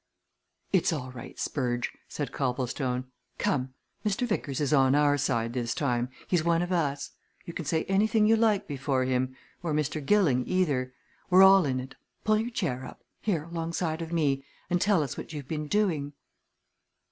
"It's all right, Spurge," said Copplestone. "Come Mr. Vickers is on our side this time; he's one of us. You can say anything you like before him or Mr. Gilling either. We're all in it. Pull your chair up here, alongside of me, and tell us what you've been doing."